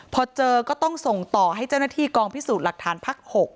พอเจอก็ต้องส่งต่อให้เจ้าหน้าที่กองพิสูจน์หลักฐานภักดิ์๖